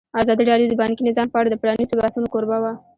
ازادي راډیو د بانکي نظام په اړه د پرانیستو بحثونو کوربه وه.